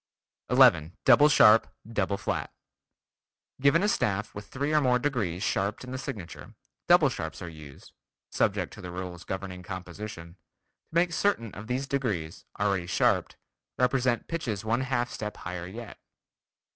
11. Double sharp, Double flat: Given a staff with three or more degrees sharped in the signature, double sharps are used (subject to the rules governing composition) to make certain of these degrees, already sharped, represent pitches one half step higher yet.